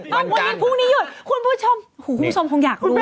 วันนี้พรุ่งนี้หยุดคุณผู้ชมคงอยากรู้นะ